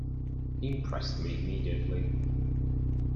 He impressed me immediately.